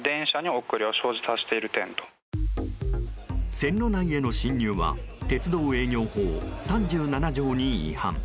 線路内への侵入は鉄道営業法３７条に違反。